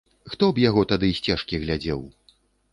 Хто б яго тады сцежкі глядзеў.